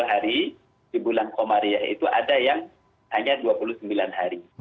tiga hari di bulan komariah itu ada yang hanya dua puluh sembilan hari